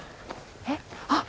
えっあっ！